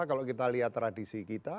kalau kita lihat tradisi kita